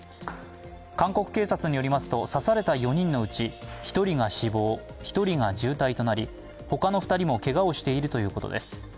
韓国警察によりますと刺された４人のうち１人が死亡、１人が重体となり他の２人もけがをしているということです。